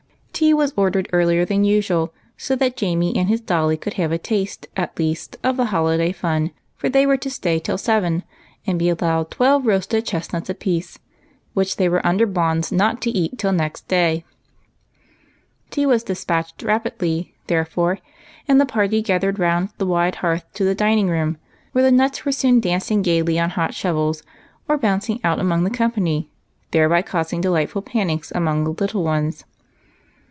Tea was ordered earlier than usual, so that Jamie and his dolly could have a taste, at least, of the holi day fun, for they were to stay till seven, and be al lowed twelve roasted chestnuts apiece, which they were under bonds not to eat till next day. Tea was despatched rapidly, therefore, and the party gathered round the wide hearth in the dining room, where the nuts were soon dancing gayly on hot shov 174 EIGHT COUSINS. els or bouncing out among the company, thereby caus ing dehghtful panics among the little ones.